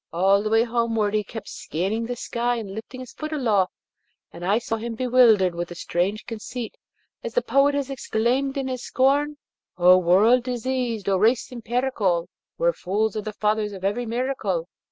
All the way homeward he kept scanning the sky and lifting his foot aloft, and I saw him bewildered with a strange conceit, as the poet has exclaimed in his scorn: Oh, world diseased! oh, race empirical! Where fools are the fathers of every miracle!